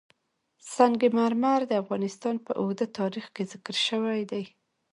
سنگ مرمر د افغانستان په اوږده تاریخ کې ذکر شوی دی.